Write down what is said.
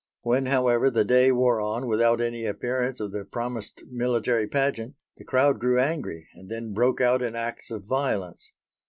When, however, the day wore on without any appearance of the promised military pageant, the crowd grew angry and then broke out in acts of violence.